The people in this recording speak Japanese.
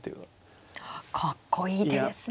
かっこいい手ですね。